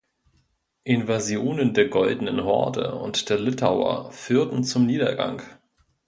Invasionen der Goldenen Horde und der Litauer führten zum Niedergang.